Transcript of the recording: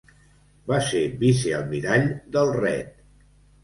Va ser vicealmirall del Red.